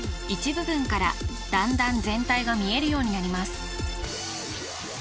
一部分から段々全体が見えるようになります